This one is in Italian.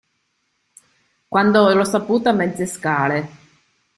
Quando l'ho saputo a mezze scale.